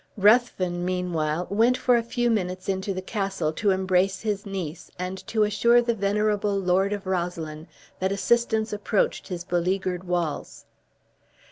Ruthven, meanwhile, went for a few minutes into the castle to embrace his niece, and to assure the venerable Lord of Roslyn that assistance approached his beleaguered walls.